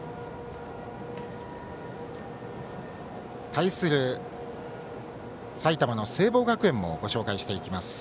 対する埼玉の聖望学園もご紹介していきます。